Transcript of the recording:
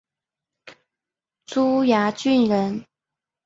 珠崖郡人。